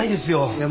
いや。